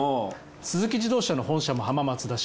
スズキ自動車の本社も浜松だし